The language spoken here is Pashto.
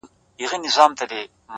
o دى خو بېله تانه كيسې نه كوي،